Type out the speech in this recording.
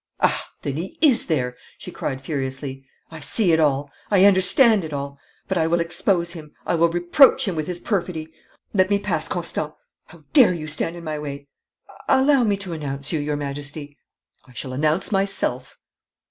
'Ah, then he is there!' she cried furiously. 'I see it all! I understand it all! But I will expose him I will reproach him with his perfidy! Let me pass, Constant! How dare you stand in my way?' 'Allow me to announce you, your Majesty.' 'I shall announce myself.'